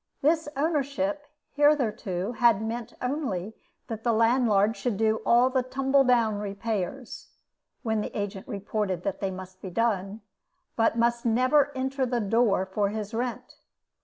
This ownership hitherto had meant only that the landlord should do all the tumble down repairs (when the agent reported that they must be done), but never must enter the door for his rent.